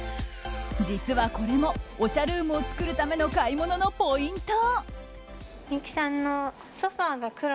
実はこれもおしゃルームを作るための買い物のポイント。